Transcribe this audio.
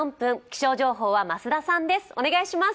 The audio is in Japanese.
気象情報は増田さんです。